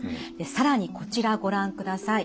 更にこちらご覧ください。